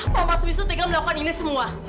kenapa mas wisnu tinggal melakukan ini semua